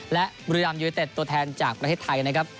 และบุรีรัมยูเนเต็ดตัวแทนจากประเทศไทยนะครับ